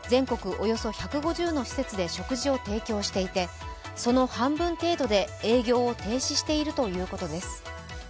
およそ１５０の施設で食事を提供していてその半分程度で営業を停止しているということです。